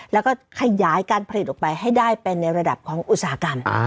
แล้วก็ขยายการผลิตออกไปให้ได้เป็นในระดับของอุตสาหกรรม